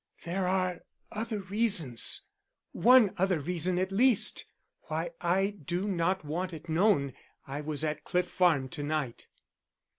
"There are other reasons one other reason at least why I do not want it known I was at Cliff Farm to night."